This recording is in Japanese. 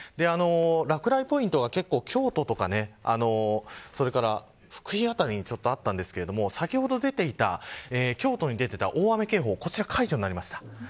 落雷ポイントは、京都とかそれから福井辺りにあったんですけれども先ほど出ていた京都に出ていた大雨警報は解除になりました。